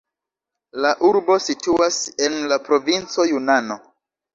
La urbo situas en la provinco Junano.